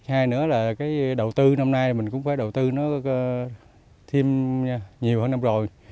hai nữa là cái đầu tư năm nay mình cũng phải đầu tư nó thêm nhiều hơn năm rồi